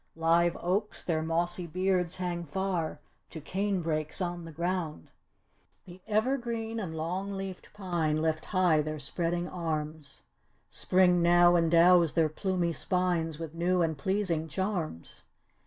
Live oaks their mossy beards hang far to canebreaks on the ground. The evergreen and long leafed pine lift high their spreading arms; Spring now endows their plumey spines with new and pleasing charms.